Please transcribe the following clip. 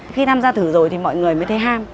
khi tham gia thử rồi thì mọi người mới thấy ham